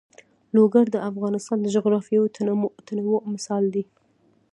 لوگر د افغانستان د جغرافیوي تنوع مثال دی.